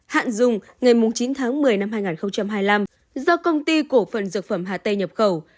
hạn dùng ngày chín một mươi hai nghìn hai mươi năm do công ty của phần dược phẩm hà tây nhập khẩu